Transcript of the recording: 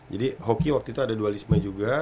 jadi hoki waktu itu ada dualisme juga